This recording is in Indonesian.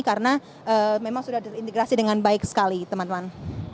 karena memang sudah diintegrasi dengan baik sekali teman teman